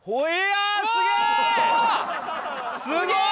すげえ！